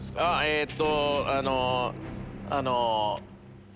あのあの。